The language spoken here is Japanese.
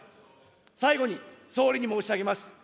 最後に、総理に申し上げます。